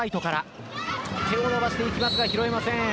手を伸ばしていきますが拾えません。